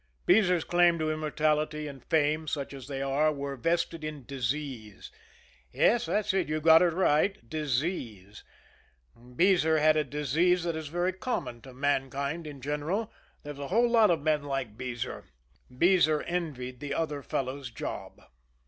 Beezer's claims to immortality and fame, such as they are, were vested in disease. Yes; that's it, you've got it right disease. Beezer had a disease that is very common to mankind in general. There's a whole lot of men like Beezer. Beezer envied the other fellow's job.